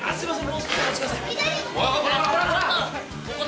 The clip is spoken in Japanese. すいません。